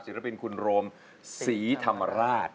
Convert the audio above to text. บินคุณโรมศรีธรรมราช